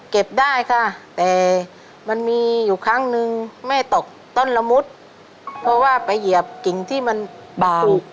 เก็บได้ค่ะแต่มันมีอยู่ครั้งนึงแม่ตกต้นละมุดเพราะว่าไปเหยียบกิ่งที่มันบาก